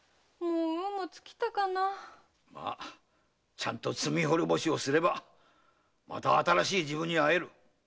ちゃんと罪滅ぼしをすればまた新しい自分に会える。